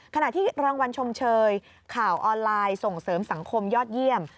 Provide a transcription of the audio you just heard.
ขณะที่รางวัลชมเชยข่าวออนไลน์ส่งเสริมสังคมยอดเยี่ยม